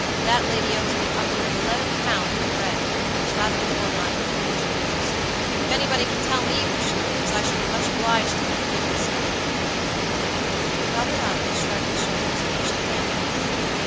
That lady owes me upward of eleven pound for bread, and it's rather more than I can afford to lose. If anybody can tell me where she lives, I shall be much obliged to 'em for so doing." Robert Audley shrugged his shoulders and wished the man good morning.